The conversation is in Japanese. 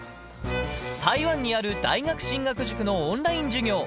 台湾にある大学進学塾のオンライン授業。